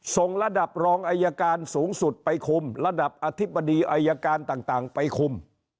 ส่งระดับรองอายการสูงสุดไปคุมระดับอธิบดีอายการต่างไปคุม